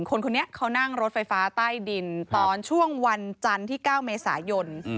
คนนี้เขานั่งรถไฟฟ้าใต้ดินตอนช่วงวันจันทร์ที่๙เมษายน